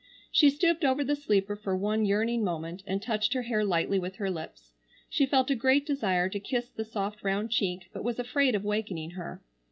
She stooped over the sleeper for one yearning moment, and touched her hair lightly with her lips. She felt a great desire to kiss the soft round cheek, but was afraid of wakening her.